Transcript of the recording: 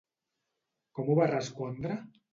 Com ho va respondre?